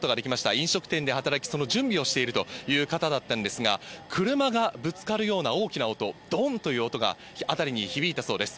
飲食店で働き、その準備をしているという方だったんですが、車がぶつかるような大きな音、どんという音が辺りに響いたそうです。